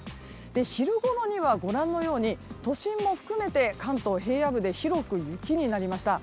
昼ごろには都心も含めて関東平野部で広く雪になりました。